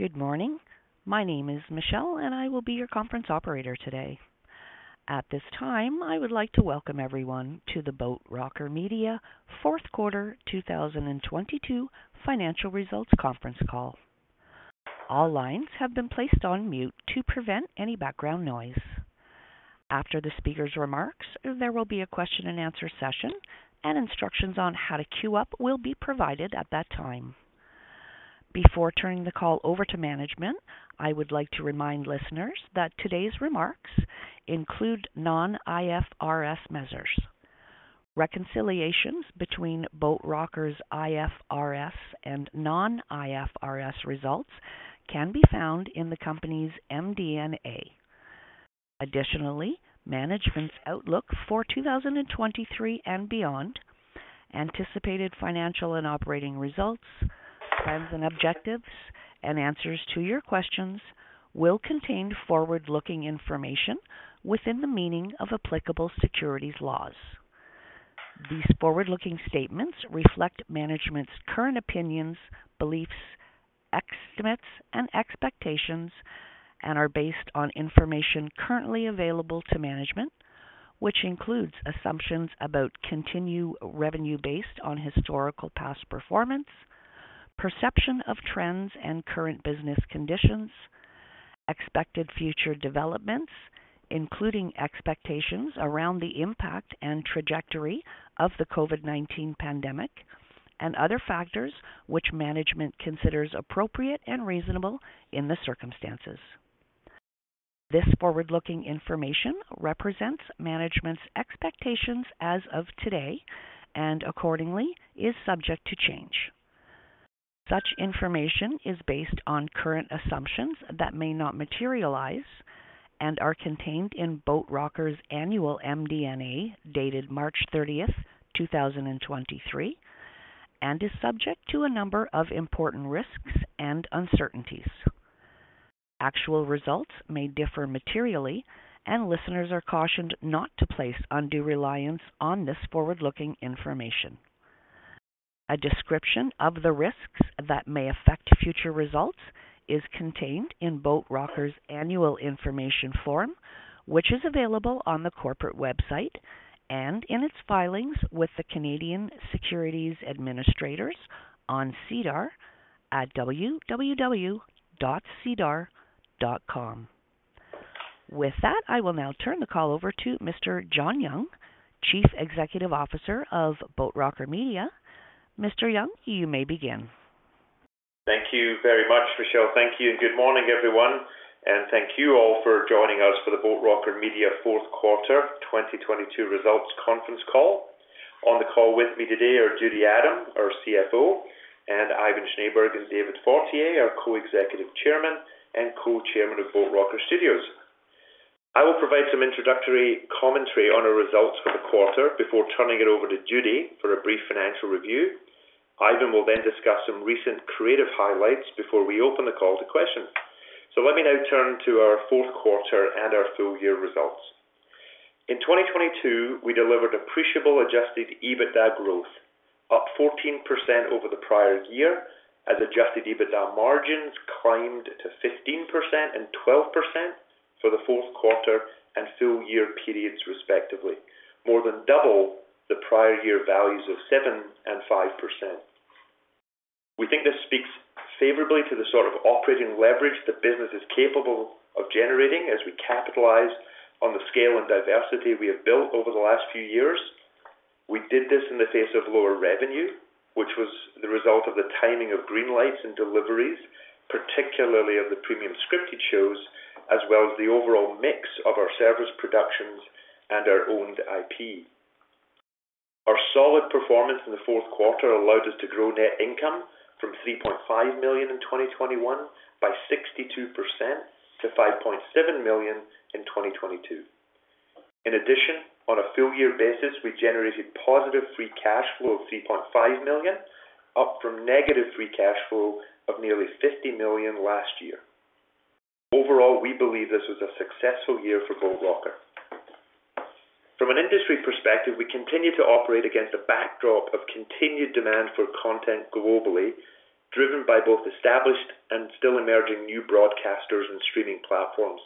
Good morning. My name is Michelle, I will be your conference operator today. At this time, I would like to welcome everyone to the Boat Rocker Media fourth quarter 2022 financial results conference call. All lines have been placed on mute to prevent any background noise. After the speaker's remarks, there will be a question-and-answer session and instructions on how to queue up will be provided at that time. Before turning the call over to management, I would like to remind listeners that today's remarks include non-IFRS measures. Reconciliations between Boat Rocker's IFRS and non-IFRS results can be found in the company's MD&A. Additionally, management's outlook for 2023 and beyond, anticipated financial and operating results, plans and objectives, and answers to your questions will contain forward-looking information within the meaning of applicable securities laws. These forward-looking statements reflect management's current opinions, beliefs, estimates, and expectations and are based on information currently available to management, which includes assumptions about continued revenue based on historical past performance, perception of trends and current business conditions, expected future developments, including expectations around the impact and trajectory of the COVID-19 pandemic and other factors which management considers appropriate and reasonable in the circumstances. This forward-looking information represents management's expectations as of today and accordingly is subject to change. Such information is based on current assumptions that may not materialize and are contained in Boat Rocker's annual MD&A, dated March 30th, 2023, and is subject to a number of important risks and uncertainties. Actual results may differ materially, and listeners are cautioned not to place undue reliance on this forward-looking information. A description of the risks that may affect future results is contained in Boat Rocker's Annual Information Form, which is available on the corporate website and in its filings with the Canadian Securities Administrators on SEDAR at www.sedar.com. With that, I will now turn the call over to Mr. John Young, Chief Executive Officer of Boat Rocker Media. Mr. Young, you may begin. Thank you very much, Michelle. Thank you, good morning, everyone, and thank you all for joining us for the Boat Rocker Media fourth quarter 2022 results conference call. On the call with me today are Judy Adam, our CFO, and Ivan Schneeberg and David Fortier, our Co-Executive Chairman and Co-Chairman of Boat Rocker Studios. I will provide some introductory commentary on our results for the quarter before turning it over to Judy for a brief financial review. Ivan will discuss some recent creative highlights before we open the call to questions. Let me now turn to our fourth quarter and our full-year results. In 2022, we delivered appreciable adjusted EBITDA growth, up 14% over the prior year as adjusted EBITDA margins climbed to 15% and 12% for the fourth quarter and full-year periods, respectively, more than double the prior year values of 7% and 5%. We think this speaks favorably to the sort of operating leverage the business is capable of generating as we capitalize on the scale and diversity we have built over the last few years. We did this in the face of lower revenue, which was the result of the timing of green lights and deliveries, particularly of the premium scripted shows, as well as the overall mix of our service productions and our owned IP. Our solid performance in the fourth quarter allowed us to grow net income from 3.5 million in 2021 by 62% to 5.7 million in 2022. In addition, on a full year basis, we generated positive free cash flow of 3.5 million, up from negative free cash flow of nearly 50 million last year. Overall, we believe this was a successful year for Boat Rocker. From an industry perspective, we continue to operate against a backdrop of continued demand for content globally, driven by both established and still emerging new broadcasters and streaming platforms.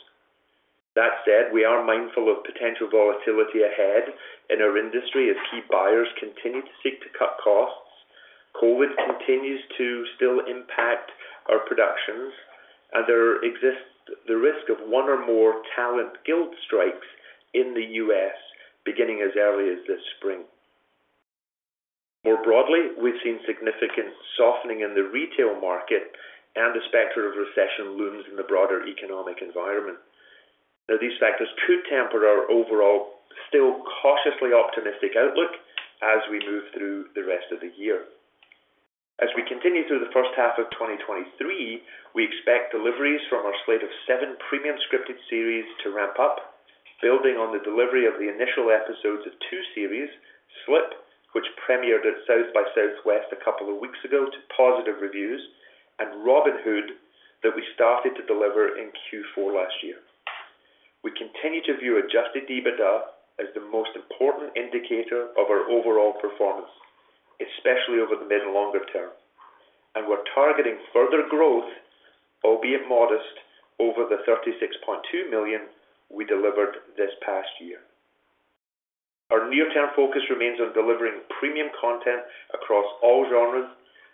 We are mindful of potential volatility ahead in our industry as key buyers continue to seek to cut costs. COVID continues to still impact our productions. There exists the risk of one or more talent guild strikes in the U.S. beginning as early as this spring. More broadly, we've seen significant softening in the retail market and the specter of recession looms in the broader economic environment. These factors could temper our overall still cautiously optimistic outlook as we move through the rest of the year. As we continue through the first half of 2023, we expect deliveries from our slate of seven premium scripted series to ramp up, building on the delivery of the initial episodes of two series, Slip, which premiered at South by Southwest a couple of weeks ago to positive reviews, and Robyn Hood, that we started to deliver in Q4 last year. Continue to view adjusted EBITDA as the most important indicator of our overall performance, especially over the mid and longer term. We're targeting further growth, albeit modest, over the 36.2 million we delivered this past year. Our near-term focus remains on delivering premium content across all genres,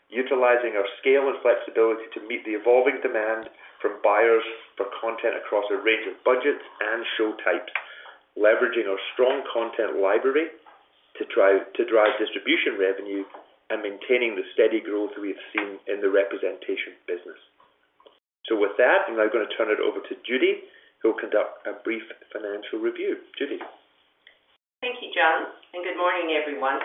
utilizing our scale and flexibility to meet the evolving demand from buyers for content across a range of budgets and show types, leveraging our strong content library to drive distribution revenue, and maintaining the steady growth we have seen in the representation business. With that, I'm now gonna turn it over to Judy, who'll conduct a brief financial review. Judy. Thank you, John. Good morning, everyone.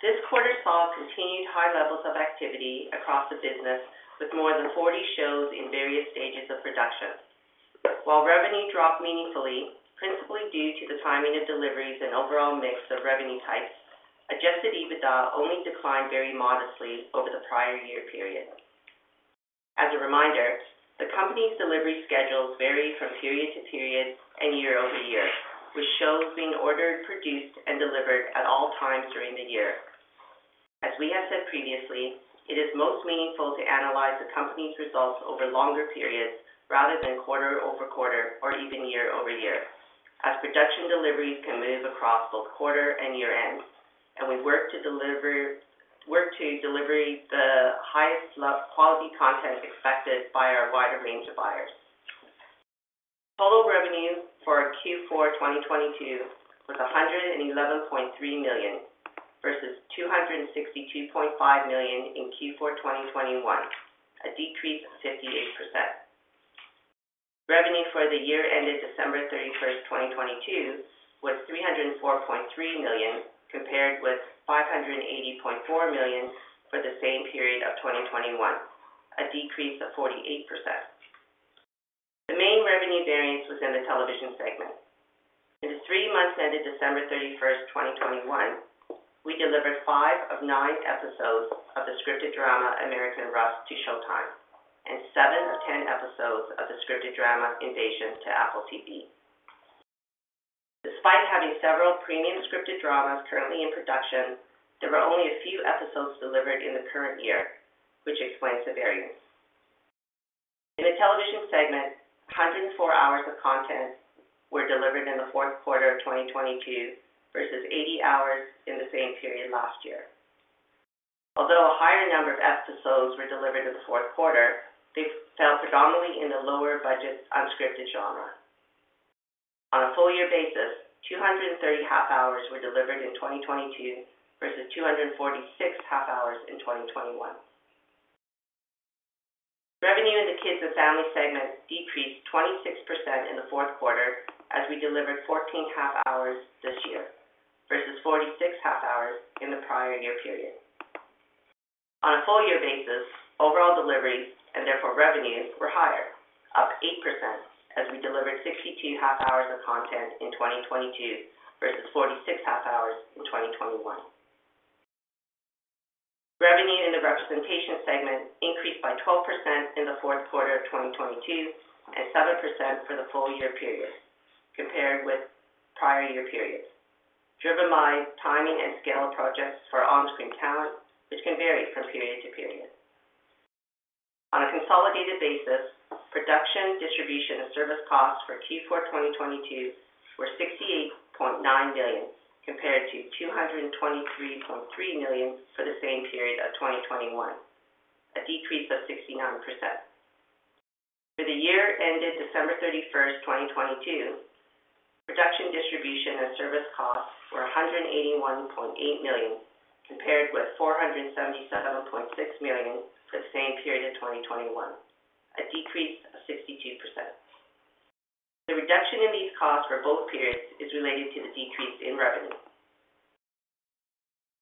This quarter saw continued high levels of activity across the business with more than 40 shows in various stages of production. While revenue dropped meaningfully, principally due to the timing of deliveries and overall mix of revenue types, adjusted EBITDA only declined very modestly over the prior year period. As a reminder, the company's delivery schedules vary from period to period and year-over-year, with shows being ordered, produced, and delivered at all times during the year. As we have said previously, it is most meaningful to analyze the company's results over longer periods rather than quarter-over-quarter or even year-over-year, as production deliveries can move across both quarter and year-ends, and we work to delivery the highest level of quality content expected by our wider range of buyers. Total revenue for Q4 2022 was $111.3 million versus $262.5 million in Q4 2021, a decrease of 58%. Revenue for the year ended December 31st, 2022 was $304.3 million, compared with $580.4 million for the same period of 2021, a decrease of 48%. The main revenue variance was in the television segment. In the three months ended December 31st, 2021, we delivered five of nine episodes of the scripted drama American Rust to Showtime and seven of 10 episodes of the scripted drama Invasion to Apple TV+. Despite having several premium scripted dramas currently in production, there were only a few episodes delivered in the current year, which explains the variance. In the television segment, 104 hours of content were delivered in the fourth quarter of 2022 versus 80 hours in the same period last year. A higher number of episodes were delivered in the fourth quarter, they fell predominantly in the lower budget unscripted genre. On a full year basis, 230 half-hours were delivered in 2022 versus 246 half-hours in 2021. Revenue in the kids and family segment decreased 26% in the fourth quarter as we delivered 14 half-hours this year versus 46 half-hours in the prior year period. On a full year basis, overall deliveries, and therefore revenues, were higher, up 8% as we delivered 62 half-hours of content in 2022 versus 46 half-hours in 2021. Revenue in the representation segment increased by 12% in the fourth quarter of 2022 and 7% for the full year period compared with prior year periods, driven by timing and scale of projects for on-screen talent, which can vary from period to period. On a consolidated basis, production, distribution, and service costs for Q4 2022 were CAD 68.9 million, compared to CAD 223.3 million for the same period of 2021, a decrease of 69%. For the year ended December 31st, 2022, production, distribution, and service costs were CAD 181.8 million, compared with CAD 477.6 million for the same period of 2021, a decrease of 62%. The reduction in these costs for both periods is related to the decrease in revenue.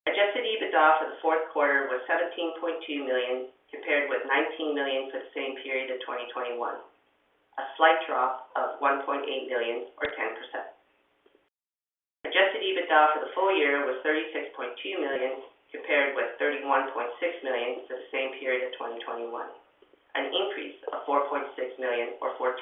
Adjusted EBITDA for the fourth quarter was CAD 17.2 million, compared with CAD 19 million for the same period of 2021, a slight drop of CAD 1.8 million or 10%. Adjusted EBITDA for the full year was CAD 36.2 million, compared with CAD 31.6 million for the same period of 2021, an increase of CAD 4.6 million or 14%.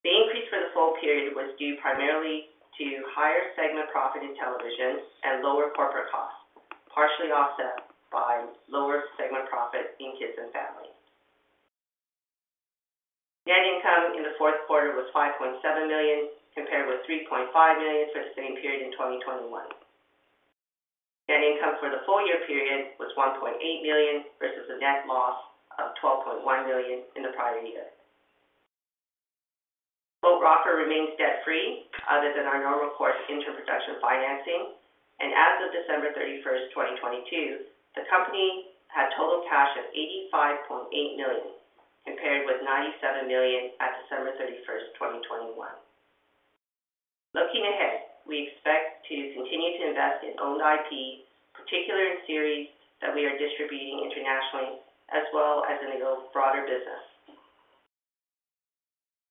The increase for the full period was due primarily to higher segment profit in television and lower corporate costs, partially offset by lower segment profit in kids and family. Net income in the fourth quarter was 5.7 million, compared with 3.5 million for the same period in 2021. Net income for the full year period was 1.8 million versus a net loss of 12.1 million in the prior year. Boat Rocker remains debt-free other than our normal course interproduction financing, and as of December 31st, 2022, the company had total cash of CAD 85.8 million, compared with CAD 97 million at December 31st, 2021. Looking ahead, we expect to continue to invest in owned IP, particularly in series that we are distributing internationally, as well as in the broader business.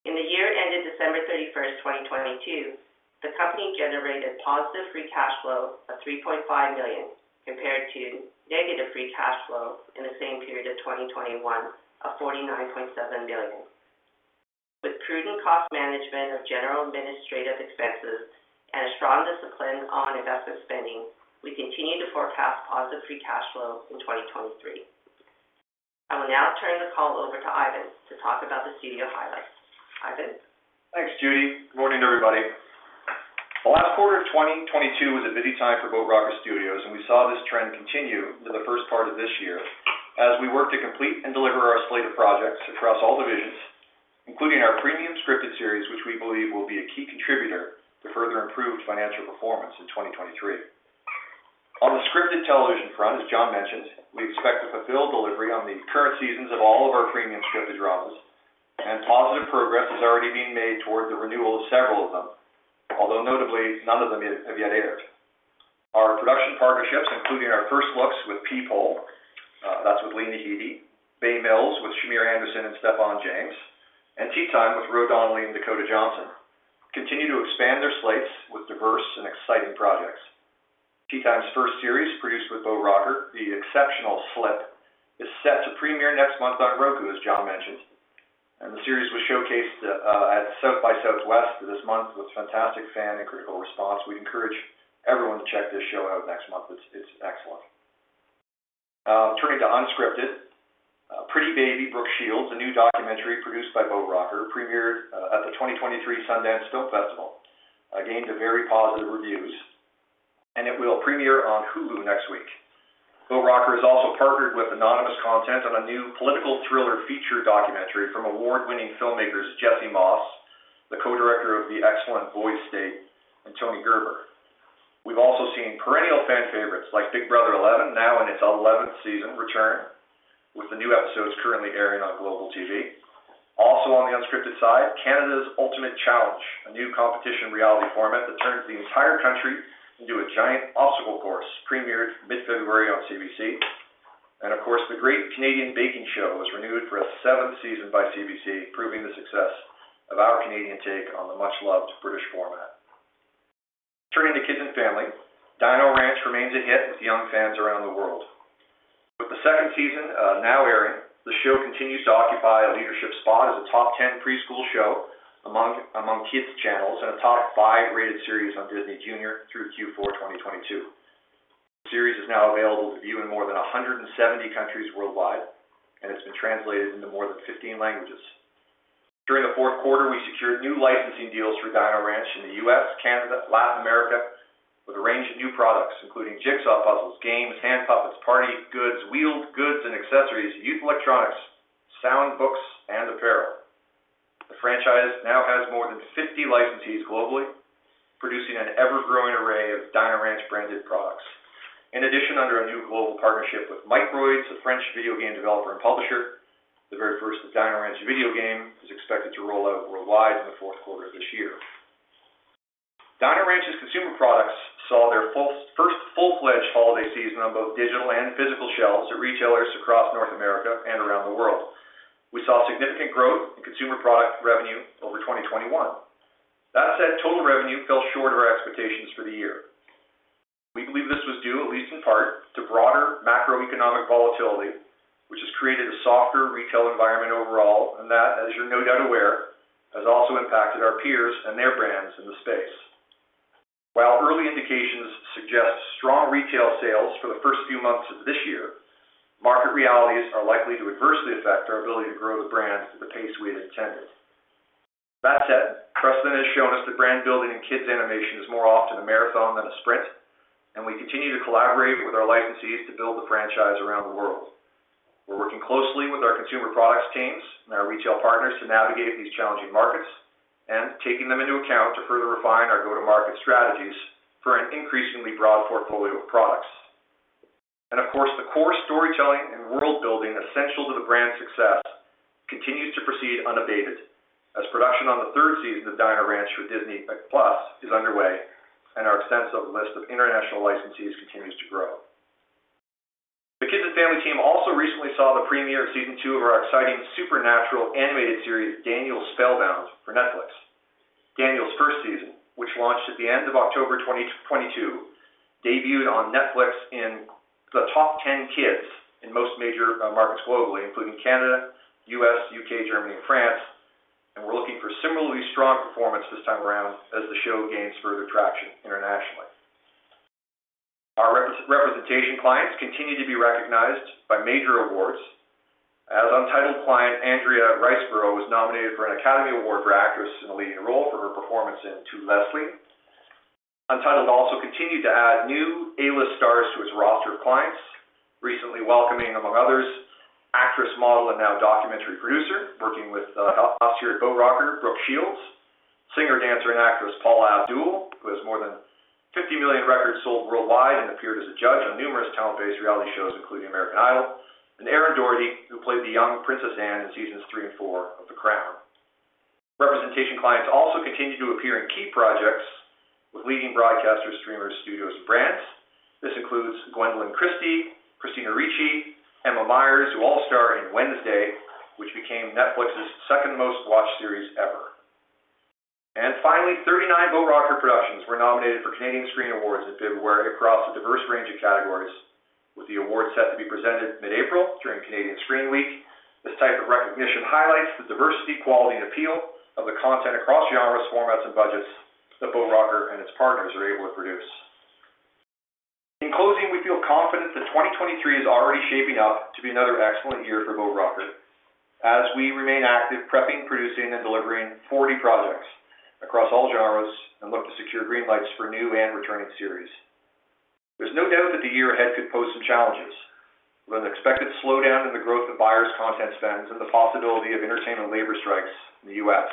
In the year ended December 31st, 2022. The company generated positive free cash flow of 3.5 million compared to negative free cash flow in the same period of 2021 of 49.7 billion. With prudent cost management of general administrative expenses and a strong discipline on investment spending, we continue to forecast positive free cash flow in 2023. I will now turn the call over to Ivan to talk about the studio highlights. Ivan? Thanks, Judy. Good morning, everybody. The last quarter of 2022 was a busy time for Boat Rocker Studios, we saw this trend continue for the first part of this year as we worked to complete and deliver our slate of projects across all divisions, including our premium scripted series, which we believe will be a key contributor to further improved financial performance in 2023. On the scripted television front, as John mentioned, we expect to fulfill delivery on the current seasons of all of our premium scripted dramas, positive progress is already being made towards the renewal of several of them, although notably, none of them have yet aired. Our production partnerships, including our first looks with People, that's with Lena Headey, Bay Mills with Shamier Anderson and Stephan James, and Tea Time with Ro Donnelly and Dakota Johnson, continue to expand their slates with diverse and exciting projects. Tea Time's first series, produced with Boat Rocker, the exceptional Slip, is set to premiere next month on Roku, as John mentioned. The series was showcased at South by Southwest this month with fantastic fan and critical response. We encourage everyone to check this show out next month. It's excellent. Turning to unscripted, Pretty Baby: Brooke Shields, a new documentary produced by Boat Rocker, premiered at the 2023 Sundance Film Festival, gained a very positive reviews, and it will premiere on Hulu next week. Boat Rocker has also partnered with Anonymous Content on a new political thriller feature documentary from award-winning filmmakers Jesse Moss, the co-director of the excellent Boys State, and Tony Gerber. We've also seen perennial fan favorites like Big Brother Eleven, now in its eleventh season, return with the new episodes currently airing on Global TV. On the unscripted side, Canada's Ultimate Challenge, a new competition reality format that turns the entire country into a giant obstacle course, premiered mid-February on CBC. Of course, the Great Canadian Baking Show was renewed for a seventh season by CBC, proving the success of our Canadian take on the much-loved British format. Turning to Kids and Family, Dino Ranch remains a hit with young fans around the world. With the second season, now airing, the show continues to occupy a leadership spot as a top 10 preschool show among kids channels and a top five rated series on Disney Junior through Q4 2022. The series is now available to view in more than 170 countries worldwide, and it's been translated into more than 15 languages. During the fourth quarter, we secured new licensing deals for Dino Ranch in the U.S., Canada, Latin America with a range of new products, including jigsaw puzzles, games, hand puppets, party goods, wheeled goods and accessories, youth electronics, sound books, and apparel. The franchise now has more than 50 licensees globally, producing an ever-growing array of Dino Ranch branded products. In addition, under a new global partnership with Microids, a French video game developer and publisher, the very first Dino Ranch video game is expected to roll out worldwide in the fourth quarter of this year. Dino Ranch's consumer products saw their first full-fledged holiday season on both digital and physical shelves at retailers across North America and around the world. We saw significant growth in consumer product revenue over 2021. That said, total revenue fell short of our expectations for the year. We believe this was due, at least in part, to broader macroeconomic volatility, which has created a softer retail environment overall, and that, as you're no doubt aware, has also impacted our peers and their brands in the space. While early indications suggest strong retail sales for the first few months of this year, market realities are likely to adversely affect our ability to grow the brand to the pace we had intended. That said, trust has shown us that brand-building in kids animation is more often a marathon than a sprint, and we continue to collaborate with our licensees to build the franchise around the world. We're working closely with our consumer products teams and our retail partners to navigate these challenging markets and taking them into account to further refine our go-to-market strategies for an increasingly broad portfolio of products. Of course, the core storytelling and world-building essential to the brand's success continues to proceed unabated as production on the third season of Dino Ranch for Disney+ is underway and our extensive list of international licensees continues to grow. The Kids and Family team also recently saw the premiere of season two of our exciting supernatural animated series, Daniel Spellbound, for Netflix. Daniel's first season, which launched at the end of October 2022, debuted on Netflix in the top 10 kids in most major markets globally, including Canada, U.S., U.K., Germany, and France. We're looking for similarly strong performance this time around as the show gains further traction internationally. Our representation clients continue to be recognized by major awards. Untitled client, Andrea Riseborough, was nominated for an Academy Award for Actress in a Leading Role for her performance in To Leslie. Untitled also continued to add new A-list stars to its roster of clients, recently welcoming, among others, actress, model, and now documentary producer working with us here at Boat Rocker, Brooke Shields, singer, dancer, and actress, Paula Abdul, who has more than 50 million records sold worldwide and appeared as a judge on numerous talent-based reality shows, including American Idol, and Erin Doherty, who played the young Princess Anne in seasons 3 and 4 of The Crown. Representation clients also continue to appear in key projects with leading broadcasters, streamers, studios, and brands. This includes Gwendoline Christie, Christina Ricci, Emma Myers, who all star in Wednesday, which became Netflix's second most watched series ever. Finally, 39 Boat Rocker productions were nominated for Canadian Screen Awards across a diverse range of categories, with the awards set to be presented mid-April during Canadian Screen Week. This type of recognition highlights the diversity, quality and appeal of the content across genres, formats, and budgets that Boat Rocker and its partners are able to produce. In closing, we feel confident that 2023 is already shaping up to be another excellent year for Boat Rocker as we remain active, prepping, producing, and delivering 40 projects across all genres and look to secure green lights for new and returning series. There's no doubt that the year ahead could pose some challenges with an expected slowdown in the growth of buyers content spends and the possibility of entertainment labor strikes in the U.S.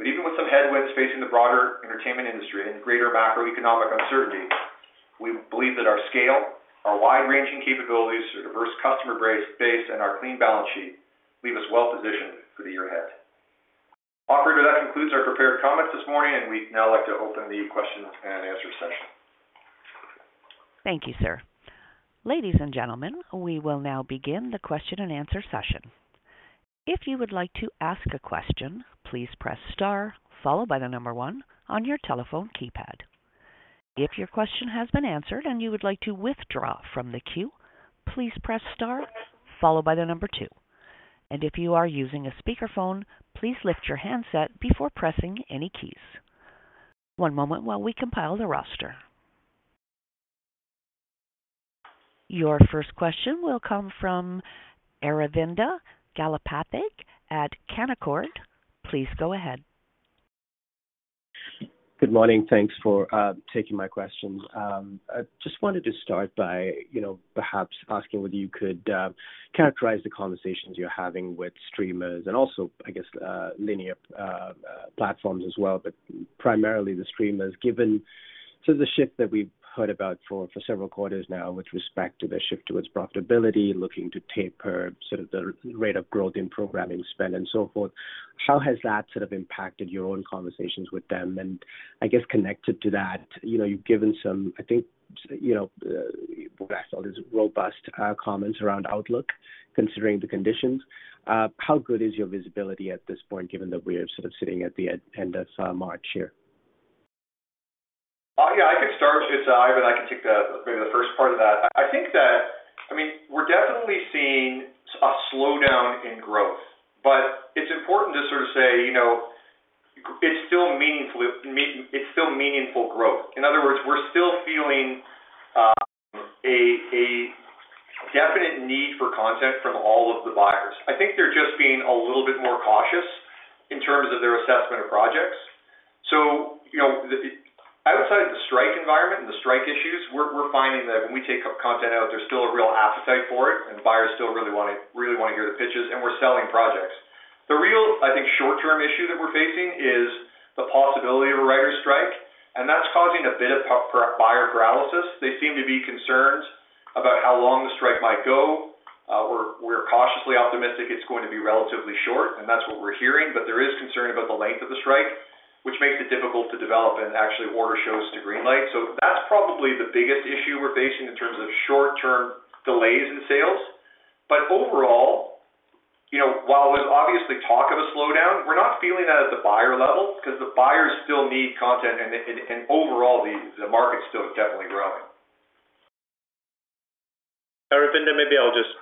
Even with some headwinds facing the broader entertainment industry and greater macroeconomic uncertainty, we believe that our scale, our wide-ranging capabilities, our diverse customer base, and our clean balance sheet leave us well positioned for the year ahead. Operator, that concludes our prepared comments this morning. We'd now like to open the question-and-answer session. Thank you, sir. Ladies and gentlemen, we will now begin the question-and-answer session. If you would like to ask a question, please press star followed by number one on your telephone keypad. If your question has been answered and you would like to withdraw from the queue, please press star followed by number two. If you are using a speakerphone, please lift your handset before pressing any keys. One moment while we compile the roster. Your first question will come from Aravinda Galappathie at Canaccord. Please go ahead. Good morning. Thanks for taking my questions. I just wanted to start by, you know, perhaps asking whether you could characterize the conversations you're having with streamers and also, I guess, linear platforms as well, but primarily the streamers, given to the shift that we've heard about for several quarters now with respect to the shift towards profitability, looking to taper sort of the rate of growth in programming spend and so forth. How has that sort of impacted your own conversations with them? I guess connected to that, you know, you've given some, I think, you know, what I saw as robust comments around outlook considering the conditions. How good is your visibility at this point, given that we are sort of sitting at the end of March here? I can start. Ivan, I can take the first part of that. I mean, we're definitely seeing a slowdown in growth, but it's important to sort of say, you know, it's still meaningful growth. In other words, we're still feeling a definite need for content from all of the buyers. I think they're just being a little bit more cautious in terms of their assessment of projects. You know, outside of the strike environment and the strike issues, we're finding that when we take content out, there's still a real appetite for it, and buyers still really want to hear the pitches, and we're selling projects. The real, I think, short-term issue that we're facing is the possibility of a writers strike, and that's causing a bit of buyer paralysis. They seem to be concerned about how long the strike might go. We're cautiously optimistic it's going to be relatively short, and that's what we're hearing. There is concern about the length of the strike, which makes it difficult to develop and actually order shows to greenlight. That's probably the biggest issue we're facing in terms of short-term delays in sales. Overall, you know, while there's obviously talk of a slowdown, we're not feeling that at the buyer level because the buyers still need content, and overall, the market's still definitely growing. Aravinda, maybe I'll just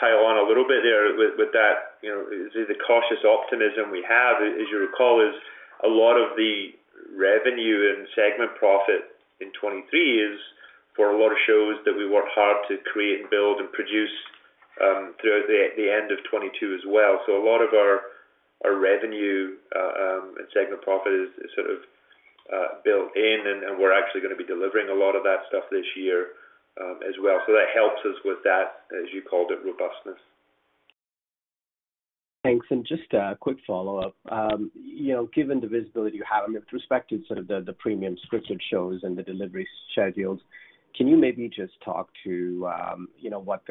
pile on a little bit there with that, you know, the cautious optimism we have, as you recall, is a lot of the revenue and segment profit in 2023 is for a lot of shows that we worked hard to create and build and produce throughout the end of 2022 as well. A lot of our revenue and segment profit is sort of built in, and we're actually going to be delivering a lot of that stuff this year as well. That helps us with that, as you called it, robustness. Thanks. Just a quick follow-up. You know, given the visibility you have with respect to sort of the premium scripted shows and the delivery schedules, can you maybe just talk to, you know, what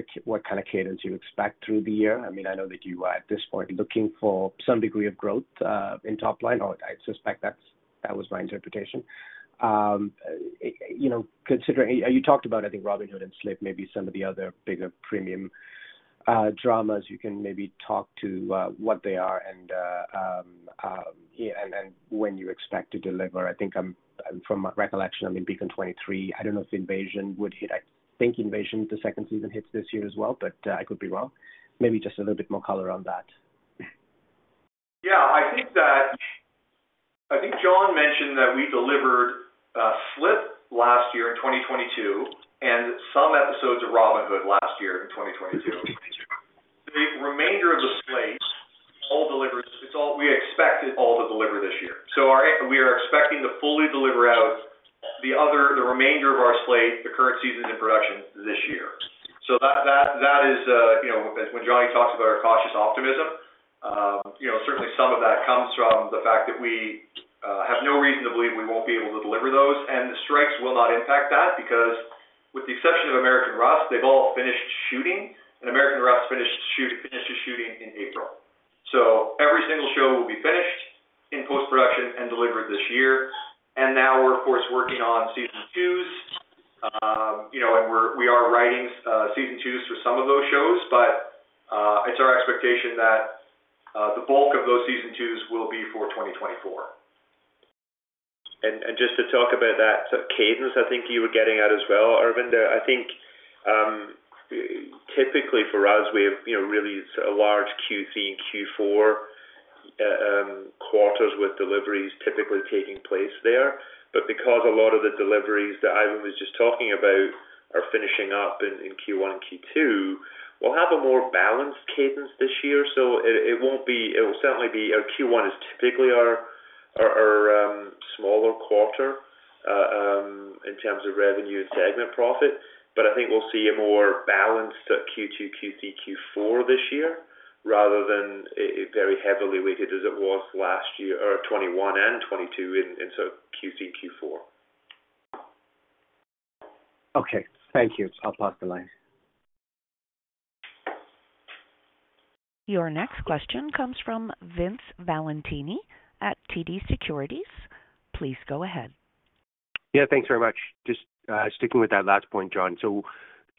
kind of cadence you expect through the year? I mean, I know that you are at this point looking for some degree of growth, in top line, or I suspect that was my interpretation. You know, considering you talked about, I think, Robyn Hood and Slip, maybe some of the other bigger premium dramas, you can maybe talk to what they are and when you expect to deliver. I think from my recollection, I mean, Beacon 23, I don't know if Invasion would hit. I think Invasion, the second season hits this year as well, but I could be wrong. Maybe just a little bit more color on that. Yeah, I think John mentioned that we delivered Slip last year in 2022, and some episodes of Robyn Hood last year in 2022. The remainder of the slate all delivers. We expect it all to deliver this year. We are expecting to fully deliver out the remainder of our slate, the current season in production this year. That is, you know, when Johnny talks about our cautious optimism, you know, certainly some of that comes from the fact that we have no reason to believe we won't be able to deliver those, and the strikes will not impact that because with the exception of American Rust, they've all finished shooting, and American Rust finished its shooting in April. Every single show will be finished in post-production and delivered this year. Now we're of course working on season twos. You know, and we are writing season twos for some of those shows, but it's our expectation that the bulk of those season twos will be for 2024. Just to talk about that sort of cadence I think you were getting at as well, Aravinda, I think, typically for us, we have, you know, really a large Q3 and Q4 quarters with deliveries typically taking place there. Because a lot of the deliveries that Ivan was just talking about are finishing up in Q1, Q2, we'll have a more balanced cadence this year. It will certainly be. Our Q1 is typically our smaller quarter in terms of revenue and segment profit. I think we'll see a more balanced Q2, Q3, Q4 this year rather than a very heavily weighted as it was last year or 2021 and 2022 in sort of Q3, Q4. Okay. Thank you. I'll pass the line. Your next question comes from Vince Valentini at TD Securities. Please go ahead. Yeah, thanks very much. Just sticking with that last point, John.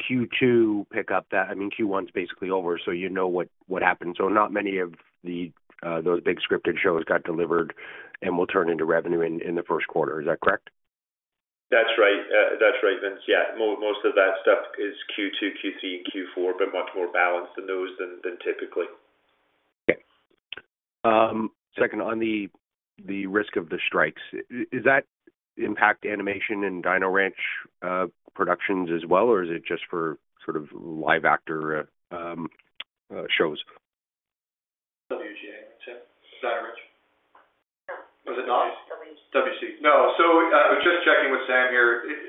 I mean, Q1's basically over, so you know what happened. Not many of those big scripted shows got delivered and will turn into revenue in the first quarter. Is that correct? That's right. That's right, Vince. Yeah. Most of that stuff is Q2, Q3, and Q4, but much more balanced in those than typically. Okay. second, on the risk of the strikes, is that impact animation and Dino Ranch productions as well, or is it just for sort of live actor shows? WGA, Sam. Dino Ranch. Is it not? WGC. No. I was just checking with Sam here. It...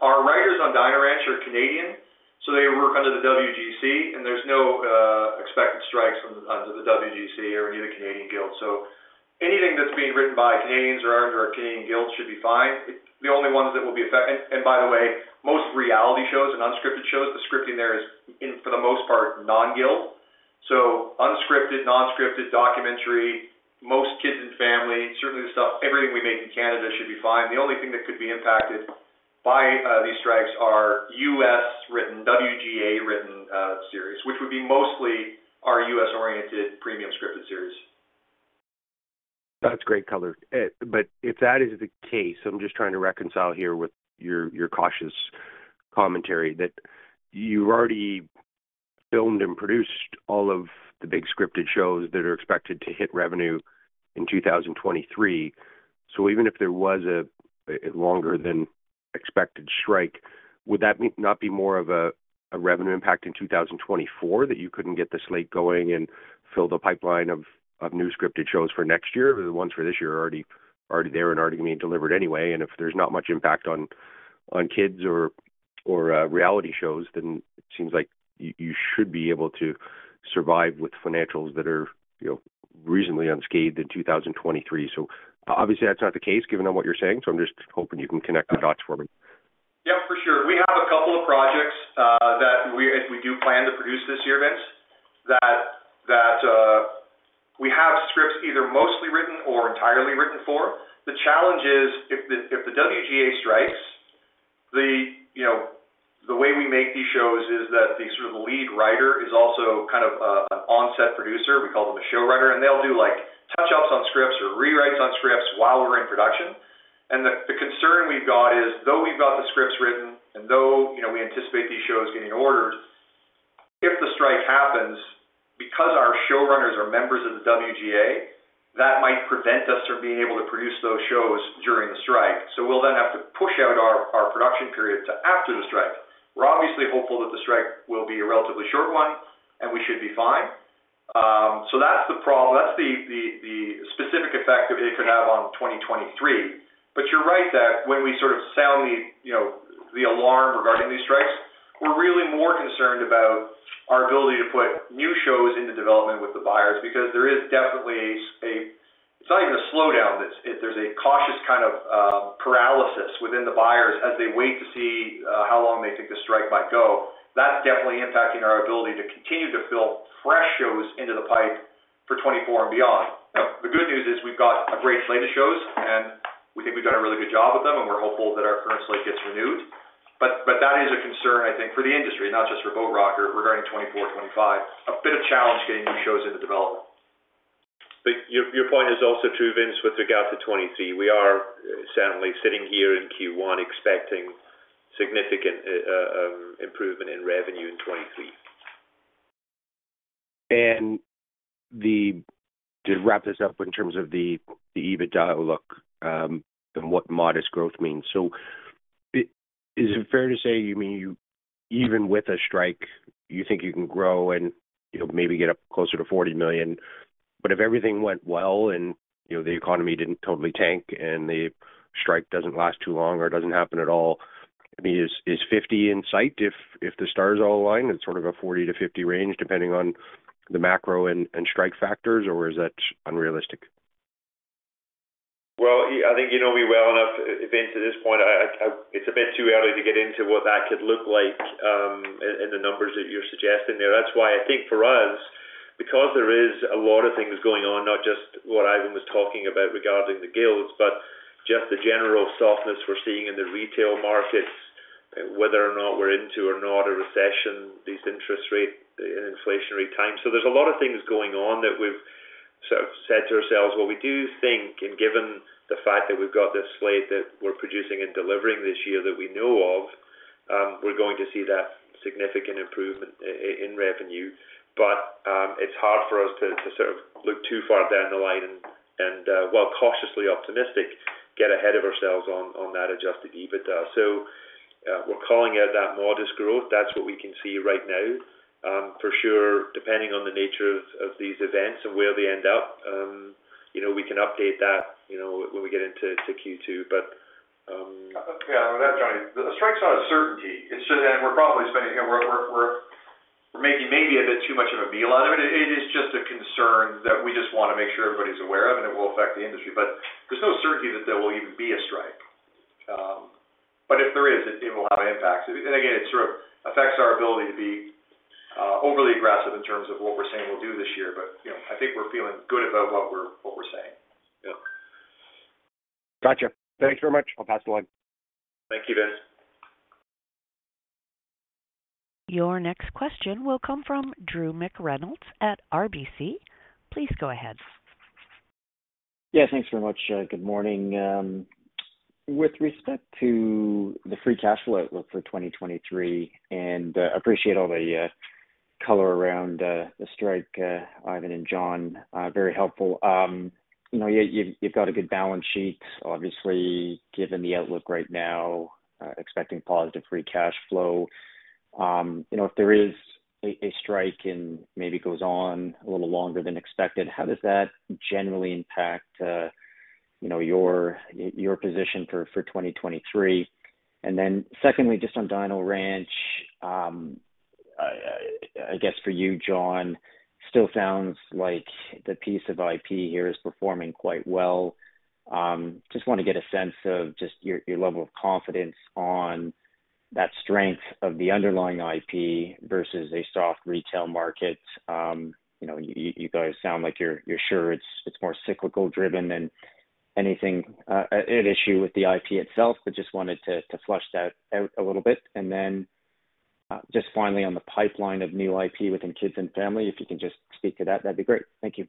Our writers on Dino Ranch are Canadian, so they work under the WGC, and there's no expected strikes under the WGC or neither Canadian Guild. Anything that's being written by Canadians or under our Canadian Guild should be fine. The only ones that will be affected... And by the way, most reality shows and unscripted shows, the scripting there is for the most part non-guild. Unscripted, non-scripted documentary, most kids and family, certainly everything we make in Canada should be fine. The only thing that could be impacted by these strikes are U.S.-written, WGA-written series, which would be mostly our U.S.-oriented premium scripted series. That's great color. If that is the case, I'm just trying to reconcile here with your cautious commentary that you already filmed and produced all of the big scripted shows that are expected to hit revenue in 2023. Even if there was a longer than expected strike, would that not be more of a revenue impact in 2024 that you couldn't get the slate going and fill the pipeline of new scripted shows for next year? The ones for this year are already there and already being delivered anyway. If there's not much impact on kids or reality shows, then it seems like you should be able to survive with financials that are, you know, reasonably unscathed in 2023. Obviously that's not the case, given on what you're saying, so I'm just hoping you can connect the dots for me. Yeah, for sure. We have a couple of projects that we do plan to produce this year, Vince, that we have scripts either mostly written or entirely written for. The challenge is if the WGA strikes, you know, the way we make these shows is that the sort of lead writer is also kind of an onset producer. We call them a showrunner. They'll do, like, touch-ups on scripts or rewrites on scripts while we're in production. The concern we've got is, though we've got the scripts written and though, you know, we anticipate these shows getting ordered, if the strike happens, because our showrunners are members of the WGA, that might prevent us from being able to produce those shows during the strike. We'll then have to push out our production period to after the strike. We're obviously hopeful that the strike will be a relatively short one, and we should be fine. That's the problem. That's the specific effect that it could have on 2023. You're right that when we sort of sound the, you know, the alarm regarding these strikes, we're really more concerned about our ability to put new shows into development with the buyers because there is definitely a... It's not even a slowdown. There's a cautious kind of paralysis within the buyers as they wait to see how long they think the strike might go. That's definitely impacting our ability to continue to fill fresh shows into the pipe for 2024 and beyond. The good news is we've got a great slate of shows, and we think we've done a really good job with them, and we're hopeful that our current slate gets renewed. That is a concern, I think, for the industry, not just for Boat Rocker regarding 2024, 2025. A bit of challenge getting new shows into development. Your point is also true, Vince, with regards to 2023. We are certainly sitting here in Q1 expecting significant improvement in revenue in 2023. To wrap this up in terms of the EBITDA outlook and what modest growth means. Is it fair to say you mean even with a strike, you think you can grow and, you know, maybe get up closer to 40 million? If everything went well and, you know, the economy didn't totally tank and the strike doesn't last too long or doesn't happen at all, I mean, is 50 in sight if the stars all align? It's sort of a 40-50 range depending on the macro and strike factors, or is that unrealistic? I think you know me well enough, Vince, at this point, It's a bit too early to get into what that could look like, in the numbers that you're suggesting there. I think for us, because there is a lot of things going on, not just what Ivan was talking about regarding the guilds, but just the general softness we're seeing in the retail markets, whether or not we're into or not a recession, these interest rate and inflationary times. There's a lot of things going on that we've sort of said to ourselves, well, we do think, and given the fact that we've got this slate that we're producing and delivering this year that we know of, we're going to see that significant improvement in revenue. It's hard for us to sort of look too far down the line and while cautiously optimistic, get ahead of ourselves on that adjusted EBITDA. We're calling it that modest growth. That's what we can see right now. For sure, depending on the nature of these events and where they end up, you know, we can update that, you know, when we get into Q2. Yeah. On that, John, the strike's not a certainty. We're probably spending, you know, we're making maybe a bit too much of a meal out of it. It is just a concern that we just wanna make sure everybody's aware of, and it will affect the industry. There's no certainty that there will even be a strike. If there is, it will have impacts. Again, it sort of affects our ability to be overly aggressive in terms of what we're saying we'll do this year. You know, I think we're feeling good about what we're, what we're saying. Yeah. Gotcha. Thanks very much. I'll pass along. Thank you, Vince. Your next question will come from Drew McReynolds at RBC. Please go ahead. Yeah, thanks very much. Good morning. With respect to the free cash flow outlook for 2023, appreciate all the color around the strike, Ivan and John, very helpful. You know, you've got a good balance sheet, obviously, given the outlook right now, expecting positive free cash flow. You know, if there is a strike and maybe goes on a little longer than expected, how does that generally impact, you know, your position for 2023? Secondly, just on Dino Ranch, I guess for you, John, still sounds like the piece of IP here is performing quite well. You know, just wanna get a sense of just your level of confidence on that strength of the underlying IP versus a soft retail market. You guys sound like you're sure it's more cyclical driven than anything, at issue with the IP itself, but just wanted to flush that out a little bit. Then, just finally on the pipeline of new IP within Kids and Family, if you can just speak to that'd be great. Thank you.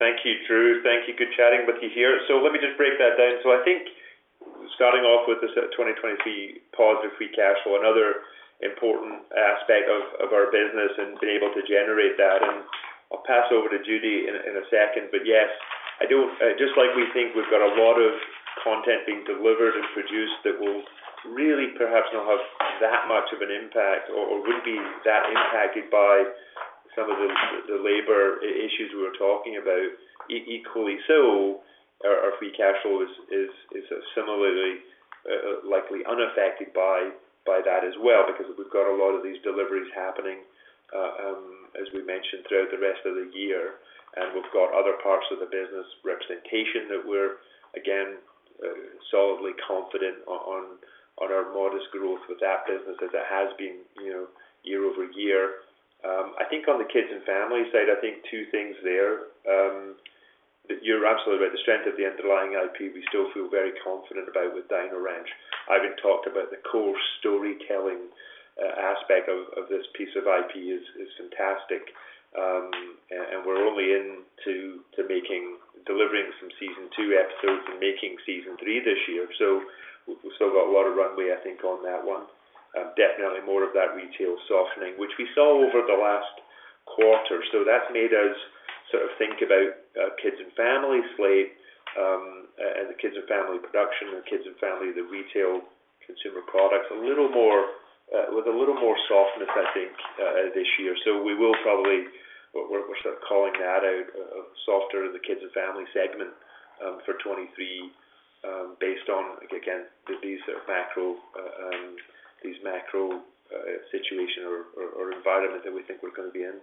Thank you, Drew. Thank you. Good chatting with you here. Let me just break that down. I think starting off with the sort of 2023 positive free cash flow, another important aspect of our business and being able to generate that, and I'll pass over to Judy in a second. Yes, I do, just like we think we've got a lot of content being delivered and produced that will really perhaps not have that much of an impact or wouldn't be that impacted by some of the labor issues we're talking about. Equally so, our free cash flow is similarly likely unaffected by that as well because we've got a lot of these deliveries happening as we mentioned, throughout the rest of the year. We've got other parts of the business representation that we're, again, solidly confident on our modest growth with that business as it has been, you know, year-over-year. I think on the Kids and Family side, I think two things there, that you're absolutely right. The strength of the underlying IP, we still feel very confident about with Dino Ranch. Ivan talked about the core storytelling aspect of this piece of IP is fantastic. And we're only into making delivering some season 2 episodes and making season 3 this year. We've still got a lot of runway, I think, on that one. Definitely more of that retail softening, which we saw over the last quarter. That's made us sort of think about Kids and Family slate, and the Kids and Family production, and Kids and Family, the retail consumer products, a little more, with a little more softness, I think, this year. We're sort of calling that out softer in the Kids and Family segment for 23, based on, again, these macro, these macro situation or environment that we think we're gonna be in.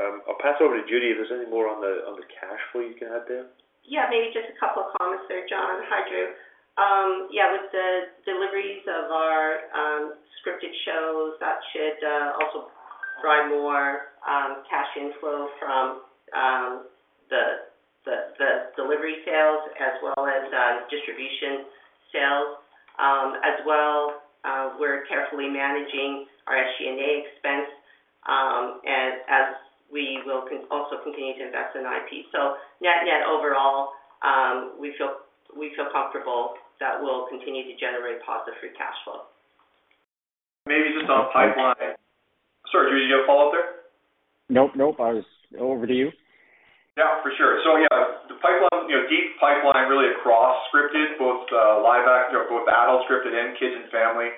I'll pass over to Judy if there's any more on the cash flow you can add there. Maybe just a couple of comments there, John. Hi, Drew. With the deliveries of our scripted shows, that should also drive more cash inflow from the delivery sales as well as distribution sales. As well, we're carefully managing our SG&A expense, as we will also continue to invest in IP. So net/net overall, we feel comfortable that we'll continue to generate positive free cash flow. Maybe just on pipeline. Sorry, Drew, did you have a follow-up there? Nope. Nope. I was over to you. Yeah, for sure. The pipeline, you know, deep pipeline really across scripted, both live act, you know, both adult scripted and Kids and Family.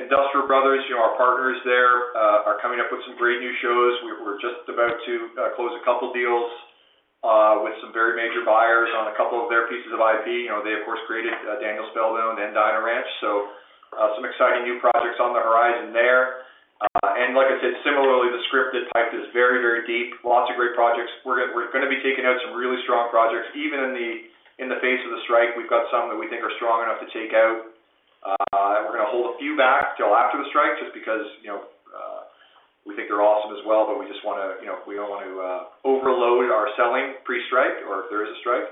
Industrial Brothers, you know, our partners there, are coming up with some great new shows. We're just about to close a couple deals with some very major buyers on to their pieces of IP, you know, they of course created Daniel Spellbound and Dino Ranch. Some exciting new projects on the horizon there. Like I said, similarly, the scripted pipe is very, very deep. Lots of great projects. We're gonna be taking out some really strong projects. Even in the face of the strike, we've got some that we think are strong enough to take out. We're gonna hold a few back till after the strike, just because you know, we think they're awesome as well, but we just wanna, you know, we don't want to overload our selling pre-strike or if there is a strike.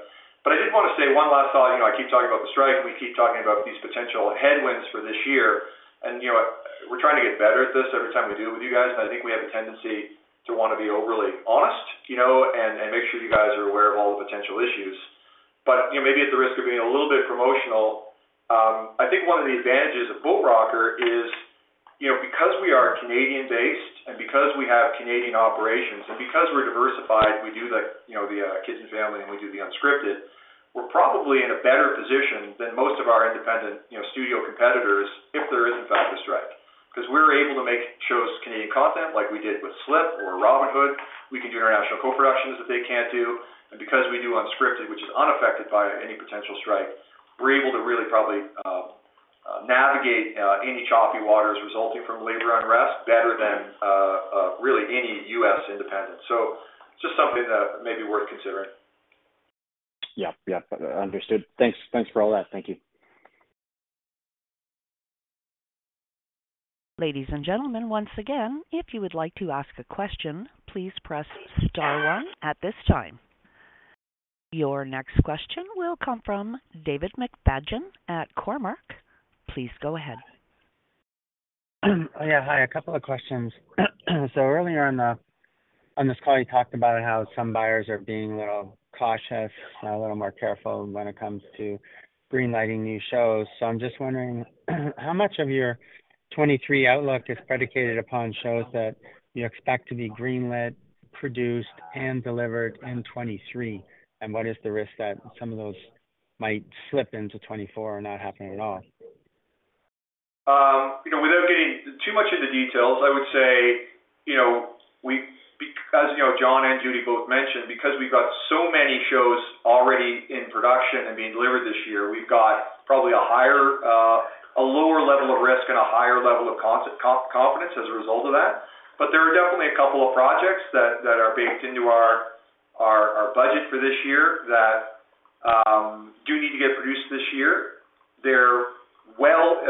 I did wanna say one last thought. You know, I keep talking about the strike, we keep talking about these potential headwinds for this year. You know, we're trying to get better at this every time we deal with you guys, and I think we have a tendency to wanna be overly honest, you know, and make sure you guys are aware of all the potential issues. You know, maybe at the risk of being a little bit promotional, I think one of the advantages of Boat Rocker is, you know, because we are Canadian-based and because we have Canadian operations and because we're diversified, we do the kids and family, and we do the unscripted, we're probably in a better position than most of our independent, you know, studio competitors if there is in fact a strike. We're able to make shows Canadian content like we did with Slip or Robyn Hood. We can do international co-productions that they can't do. Because we do unscripted, which is unaffected by any potential strike, we're able to really probably navigate any choppy waters resulting from labor unrest better than really any U.S. independent. Just something that may be worth considering. Yeah. Yeah. Understood. Thanks. Thanks for all that. Thank you. Ladies and gentlemen, once again, if you would like to ask a question, please press star one at this time. Your next question will come from David McFadgen at Cormark. Please go ahead. Yeah, hi. A couple of questions. Earlier on this call, you talked about how some buyers are being a little cautious, a little more careful when it comes to green-lighting new shows. I'm just wondering, how much of your 2023 outlook is predicated upon shows that you expect to be green lit, produced and delivered in 23? What is the risk that some of those might slip into 2024 or not happen at all? Without getting too much into details, I would say, you know, because, you know, John and Judy both mentioned, because we've got so many shows already in production and being delivered this year, we've got probably a higher, a lower level of risk and a higher level of confidence as a result of that. There are definitely a couple of projects that are baked into our budget for this year that do need to get produced this year. They're well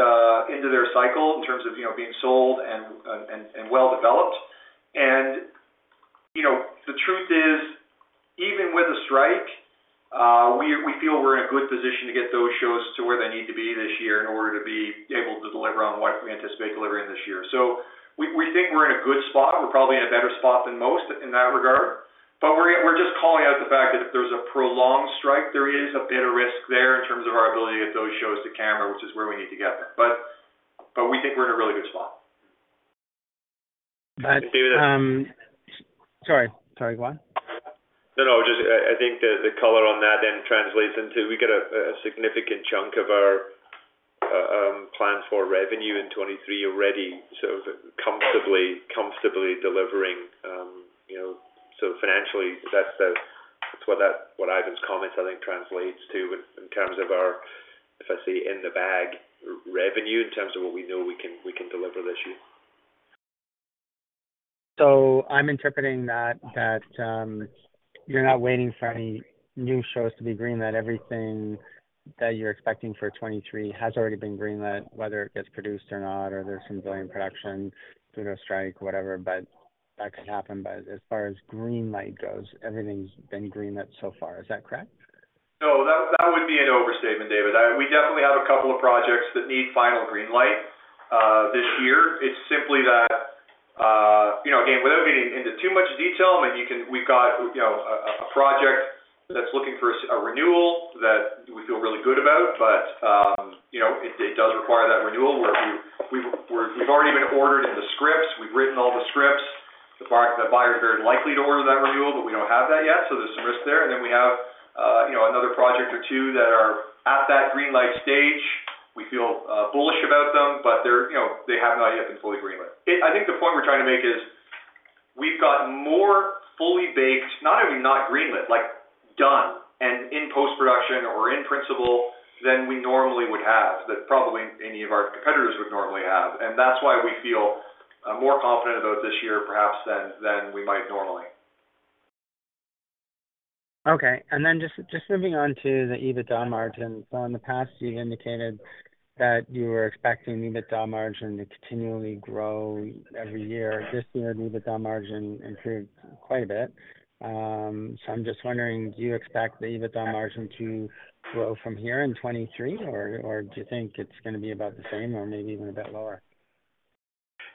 into their cycle in terms of, you know, being sold and well developed. You know, the truth is, we feel we're in a good position to get those shows to where they need to be this year in order to be able to deliver on what we anticipate delivering this year. We think we're in a good spot. We're probably in a better spot than most in that regard. We're just calling out the fact that if there's a prolonged strike, there is a bit of risk there in terms of our ability to get those shows to camera, which is where we need to get them. We think we're in a really good spot. But, um- David. Sorry. Sorry, go on. No, no. Just I think the color on that then translates into we get a significant chunk of our plans for revenue in 2023 already sort of comfortably delivering, you know. Financially, that's what Ivan's comment I think translates to in terms of our, if I say, in the bag revenue in terms of what we know we can deliver this year. I'm interpreting that, you're not waiting for any new shows to be green lit. Everything that you're expecting for 2023 has already been green lit, whether it gets produced or not or there's some delay in production due to a strike, whatever, but that could happen. As far as green light goes, everything's been green lit so far. Is that correct? No. That, that would be an overstatement, David. We definitely have a couple of projects that need final green light this year. It's simply that, you know, again, without getting into too much detail, I mean, we've got, you know, a project that's looking for a renewal that we feel really good about, but, you know, it does require that renewal where we've already been ordered in the scripts, we've written all the scripts. The buyer is very likely to order that renewal, but we don't have that yet, so there's some risk there. Then we have, you know, another project or two that are at that green light stage. We feel bullish about them, but they're, you know, they have not yet been fully green lit. I think the point we're trying to make is we've got more fully baked, not only not green lit, like done and in post-production or in principle than we normally would have, that probably any of our competitors would normally have. That's why we feel more confident about this year perhaps than we might normally. Okay. Just moving on to the EBITDA margin. In the past, you indicated that you were expecting EBITDA margin to continually grow every year. This year, the EBITDA margin improved quite a bit. I'm just wondering, do you expect the EBITDA margin to grow from here in 2023, or do you think it's gonna be about the same or maybe even a bit lower?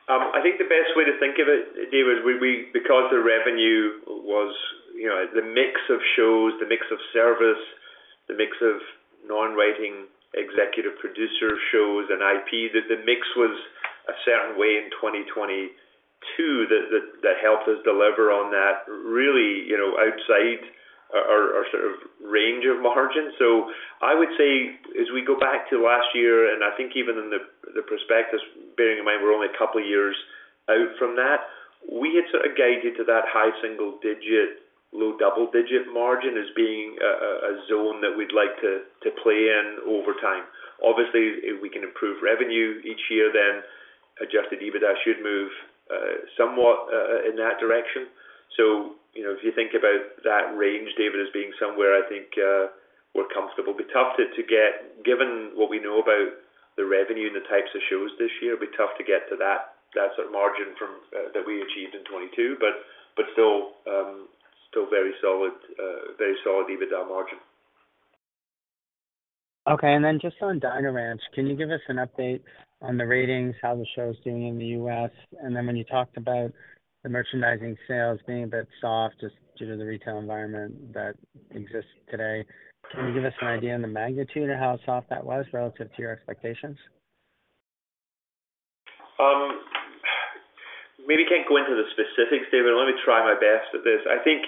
I think the best way to think of it, David, we because the revenue was, you know, the mix of shows, the mix of service, the mix of non-writing executive producer shows and IP, that the mix was a certain way in 2022 that helped us deliver on that really, you know, outside our sort of range of margins. I would say as we go back to last year, I think even in the prospectus, bearing in mind we're only two years out from that, we had sort of guided to that high single-digit, low double-digit margin as being a zone that we'd like to play in over time. Obviously, if we can improve revenue each year, adjusted EBITDA should move somewhat in that direction. You know, if you think about that range, David, as being somewhere, I think, we're comfortable. Be tough to get. Given what we know about the revenue and the types of shows this year, it'd be tough to get to that sort of margin from that we achieved in 2022, but still very solid EBITDA margin. Okay. Then just on Dino Ranch, can you give us an update on the ratings, how the show is doing in the U.S.? Then when you talked about the merchandising sales being a bit soft just due to the retail environment that exists today, can you give us an idea on the magnitude of how soft that was relative to your expectations? Maybe can't go into the specifics, David. Let me try my best at this. I think,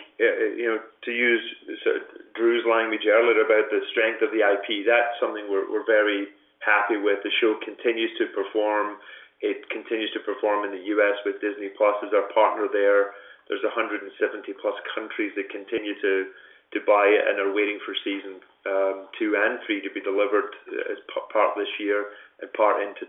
you know, to use sort of Drew's language earlier about the strength of the IP, that's something we're very happy with. The show continues to perform. It continues to perform in the U.S. with Disney+ as our partner there. There's 170+ countries that continue to buy it and are waiting for season 2 and 3 to be delivered as part this year and part into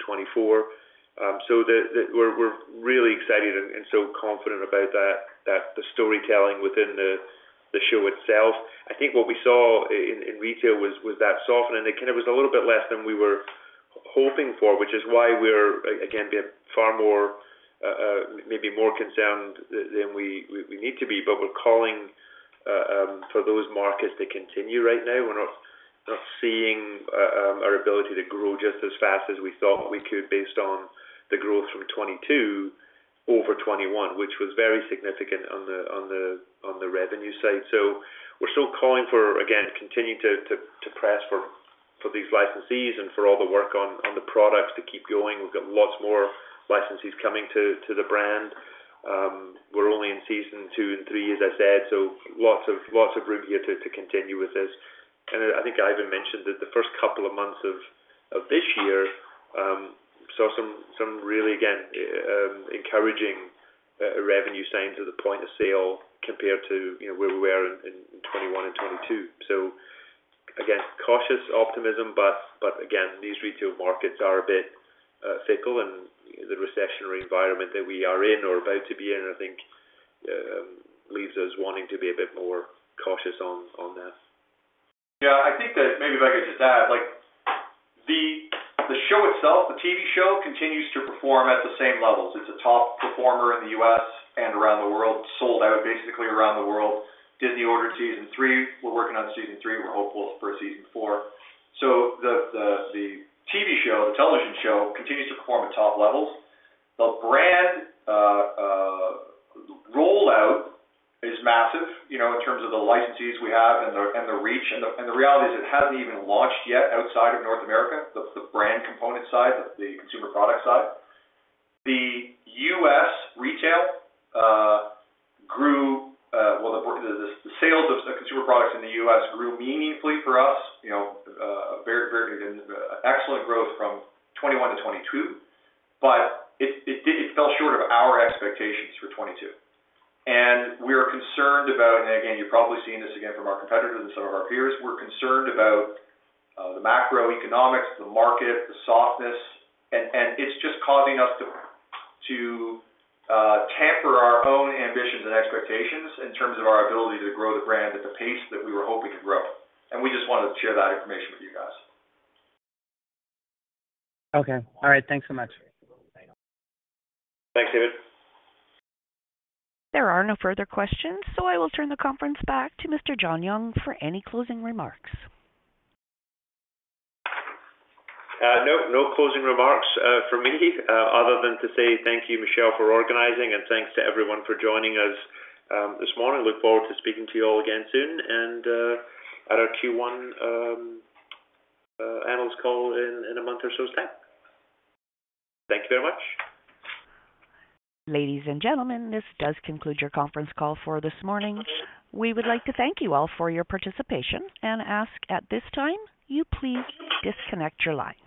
2024. We're really excited and so confident about that the storytelling within the show itself. I think what we saw in retail was that soften. It kind of was a little bit less than we were hoping for, which is why we're again, being far more, maybe more concerned than we need to be. We're calling for those markets to continue right now. We're not seeing our ability to grow just as fast as we thought we could based on the growth from 22 over 21, which was very significant on the revenue side. We're still calling for, again, continue to press for these licensees and for all the work on the products to keep going. We've got lots more licensees coming to the brand. We're only in season two and three, as I said, so lots of room here to continue with this. I think Ivan mentioned that the first couple of months of this year saw some really, again, encouraging revenue signs at the point of sale compared to, you know, where we were in 2021 and 2022. Again, cautious optimism, but again, these retail markets are a bit fickle, the recessionary environment that we are in or about to be in, I think, leaves us wanting to be a bit more cautious on this. Yeah. I think that maybe if I could just add, like the show itself, the TV show continues to perform at the same levels. It's a top performer in the U.S. and around the world, sold out basically around the world. Disney ordered season 3. We're working on season 3. We're hopeful for a season 4. The TV show, the television show continues to perform at top levels. The brand rollout is massive, you know, in terms of the licensees we have and the reach. The reality is it hasn't even launched yet outside of North America, the brand component side, the consumer product side. The U.S. retail grew, well, the sales of consumer products in the U.S. grew meaningfully for us, you know, very, very good and excellent growth from 2021 to 2022. It, it did, it fell short of our expectations for 2022. We're concerned about. Again, you've probably seen this again from our competitors and some of our peers. We're concerned about the macroeconomics, the market, the softness, and it's just causing us to tamper our own ambitions and expectations in terms of our ability to grow the brand at the pace that we were hoping to grow. We just wanted to share that information with you guys. Okay. All right. Thanks so much. Thanks, David. There are no further questions, so I will turn the conference back to Mr. John Young for any closing remarks. No. No closing remarks from me other than to say thank you, Michelle, for organizing, and thanks to everyone for joining us this morning. Look forward to speaking to you all again soon and at our Q1 analyst call in a month or so's time. Thank you very much. Ladies and gentlemen, this does conclude your conference call for this morning. We would like to thank you all for your participation and ask at this time you please disconnect your lines.